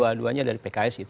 dua duanya dari pks